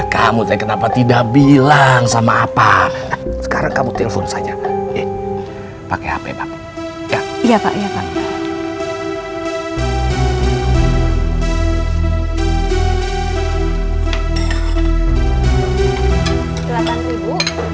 kamu teh kenapa tidak bilang sama apa sekarang kamu telepon saja pakai hp pak ya pak ya pak